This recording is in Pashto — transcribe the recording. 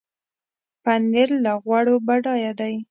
پنېر له غوړو بډایه دی.